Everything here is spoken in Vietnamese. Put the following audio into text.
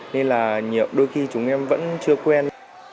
nên là nhiều đôi khi chúng em vẫn chưa quen